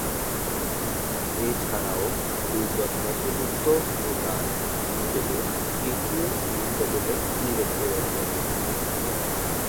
এছাড়াও দুইজন নথিভূক্ত ভোটার নিজেদের তৃতীয় লিঙ্গ বলে উল্লেখ করেছেন।